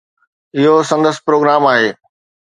اهو سندس پروگرام آهي.